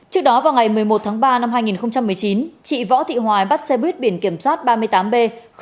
trước đó vào ngày một mươi một tháng ba năm hai nghìn một mươi chín chị võ thị hoài bắt xe buýt biển kiểm soát ba mươi tám b một nghìn chín trăm bảy mươi